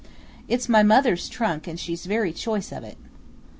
It's my mother's trunk, and she's very choice of it."